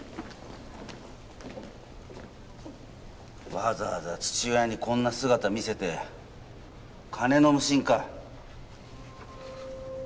わざわざ父親にこんな姿見せて金の無心か？